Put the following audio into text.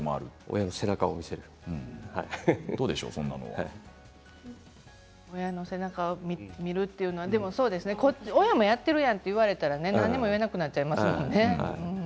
親の背中を見せると親の背中を見るというのは親もやっていると言われたら何も言えなくなっちゃいますもんね。